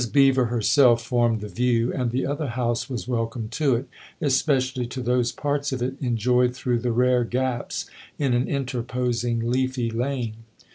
Beever herself formed the view and the other house was welcome to it, especially to those parts of it enjoyed through the rare gaps in an interposing leafy lane.